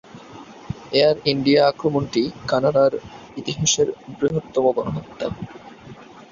Air India আক্রমণটি কানাডার ইতিহাসের বৃহত্তম গণহত্যা।